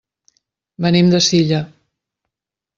Venim de Silla.